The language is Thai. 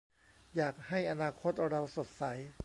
อยากให้อนาคตเราสดใส